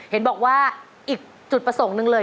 เห็นบอกว่าอีกจุดประสงค์หนึ่งเลย